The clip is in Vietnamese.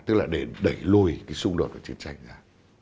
tức là để đẩy lùi cái xung đột và chiến tranh ra